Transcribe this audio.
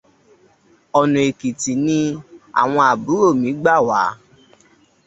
Ọ̀nà Èkìtì ni àwọn àbúrò mi gbà wá.